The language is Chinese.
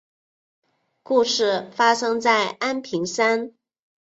故事发生在安平山。